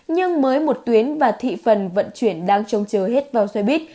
nhưng mới một tuyến và thị phần vận chuyển đang trông chờ hết vào xe buýt